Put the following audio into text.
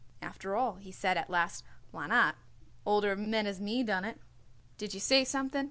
"After all," he said at last, "why not? Older men as me done it." "Did you say something?"